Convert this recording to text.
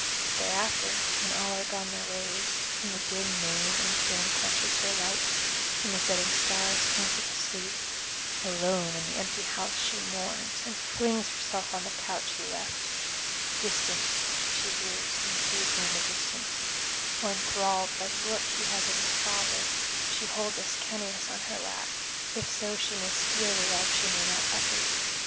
Thereafter, when all are gone their ways, and the dim moon in turn quenches her light, and the setting stars counsel to sleep, alone in the empty house she mourns, and flings herself on the couch he left: distant she hears and sees him in the distance; or enthralled by the look he has of his father, she holds Ascanius on her lap, if so she may steal the love she may not utter.